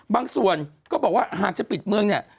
ส่วนตัวก็บอกว่าหากจะปิดเมืองเนี่ย